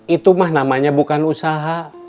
itu mah namanya bukan usaha